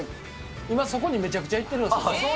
今そこにめちゃくちゃ行ってるんです。